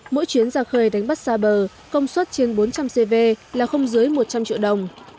mỗi chuyến ra khơi đánh bắt xa bờ công suất trên bốn trăm linh cv là không dưới một trăm linh triệu đồng